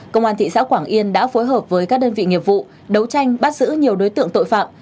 công an thị xã quảng yên đã phối hợp với các đơn vị nghiệp vụ đấu tranh bắt giữ nhiều đối tượng tội phạm